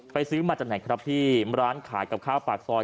ซื้อมาจากไหนครับพี่ร้านขายกับข้าวปากซอย